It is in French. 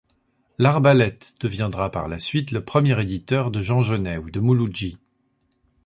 L'Arbalète deviendra par la suite le premier éditeur de Jean Genet ou de Mouloudji.